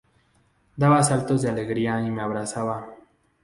Daba saltos de alegría y me abrazaba.